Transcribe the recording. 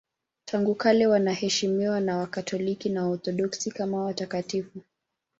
Tangu kale wanaheshimiwa na Wakatoliki na Waorthodoksi kama watakatifu.